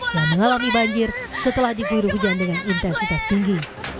yang mengalami banjir setelah diguyur hujan dengan intensitas tinggi